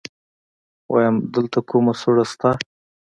ويم دلته کومه سوړه شته.